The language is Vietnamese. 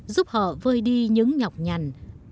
giúp họ vơi đi những nhọc nhằn